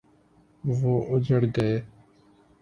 وہ اجڑ گئے۔